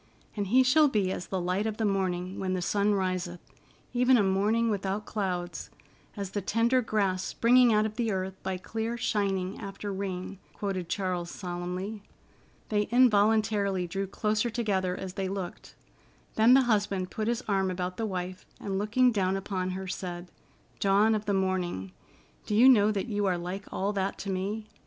"'And he shall be as the light of the morning when the sun riseth, even a morning without clouds; as the tender grass springing out of the earth by clear shining after rain,'" quoted Charles solemnly. They involuntarily drew closer together as they looked. Then the husband put his arm about the wife and, looking down upon her, said: "Dawn of the Morning, do you know that you are like all that to me?"